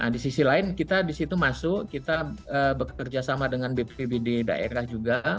di sisi lain kita di situ masuk kita bekerja sama dengan bpbd daerah juga